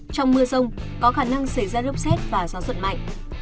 trong mưa rông có khả năng xảy ra lốc xét và gió giật mạnh